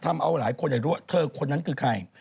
ทำเอาหลายคนอยากรู้ว่าเธอคนนั้นคือใคร